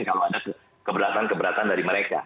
kalau ada keberatan keberatan dari mereka